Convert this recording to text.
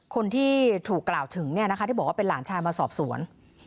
คนที่ถูกกล่าวถึงที่บอกว่าเป็นหลานชายมาสอบสวน